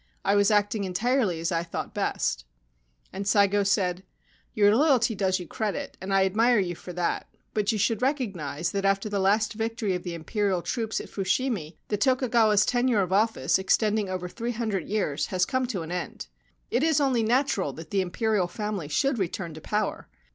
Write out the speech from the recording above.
I was acting entirely as I thought best.' And Saigo said :* Your loyalty does you credit, and I admire you for that ; but you should recognise that after the last victory of the Imperial troops at Fushimi the Tokugawa's tenure of office, extending over three hundred years, has come to an end. It is only natural that this Imperial family should return to power.